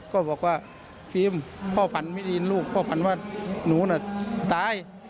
ก็บอกว่าฟิล์มพ่อฝันไม่ได้ยินลูกพ่อฝันว่าหนูน่ะตาย